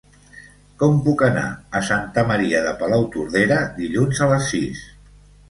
Com puc anar a Santa Maria de Palautordera dilluns a les sis?